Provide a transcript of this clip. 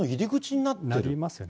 なりますよね。